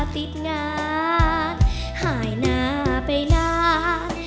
ติดงานหายหน้าไปนาน